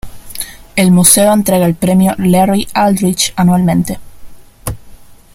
El museo entrega el Premio Larry Aldrich anualmente.·